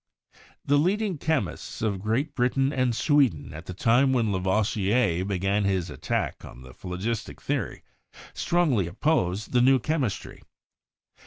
The leading chemists of Great Britain and Sweden at the time when Lavoisier began his attack on the phlogistic theory strongly opposed the new chemistry.